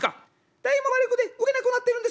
「大魔王の魔力で動けなくなっているんです」。